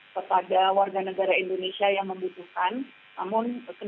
kepada warga negara indonesia yang membutuhkan